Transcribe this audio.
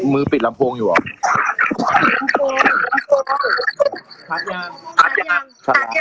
มือปิดลำโพงอยู่เหรอ